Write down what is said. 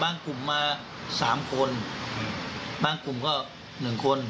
กลุ่มมาสามคนบางกลุ่มก็หนึ่งคน